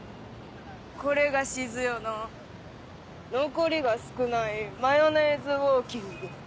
これが静代の残りが少ないマヨネーズウオーキング。